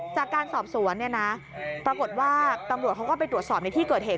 จากการสอบสวนเนี่ยนะปรากฏว่าตำรวจเขาก็ไปตรวจสอบในที่เกิดเหตุ